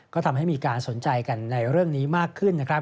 ก็ทำให้มีการสนใจกันในเรื่องนี้มากขึ้นนะครับ